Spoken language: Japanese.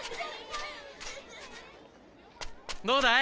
どうだい？